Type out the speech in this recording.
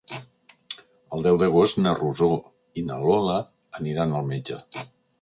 El deu d'agost na Rosó i na Lola aniran al metge.